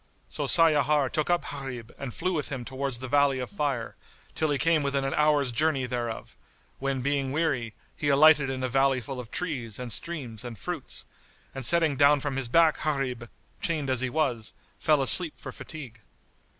So Sayyar took up Gharib and flew with him towards the Valley of Fire, till he came within an hour's journey thereof, when being weary, he alighted in a valley full of trees and streams and fruits, and setting down from his back Gharib chained as he was, fell asleep for fatigue.